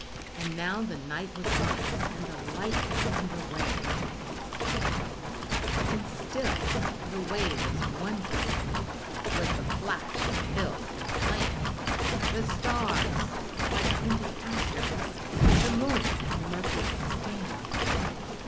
And now the night was on us, and the lightning and the rain; And still the way was wondrous with the flash of hill and plain, The stars like printed asterisks the moon a murky stain!